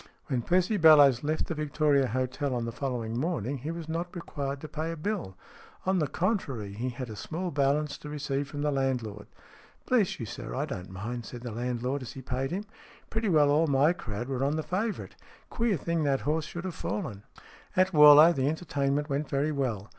When Percy Bellowes left the Victoria Hotel on the following morning he was not required to pay a bill. On the contrary, he had a small balance to receive from the landlord. " Bless you, I don't mind," said the landlord, as he paid him. " Pretty well all my crowd were on the favourite. Queer thing that horse should have fallen." II AT Warlow the entertainment went very well.